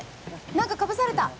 何かかぶされた！